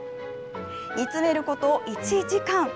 煮詰めること１時間。